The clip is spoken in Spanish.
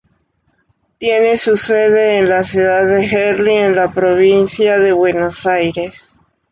Tiene su sede en la ciudad de Gerli en la provincia de Buenos Aires.